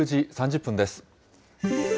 ６時３０分です。